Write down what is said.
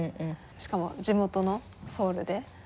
しかも地元のソウルで。